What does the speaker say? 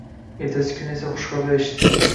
Ertasi kuni esa xushxabar eshitdik.